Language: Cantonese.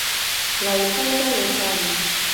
類推都會錯誤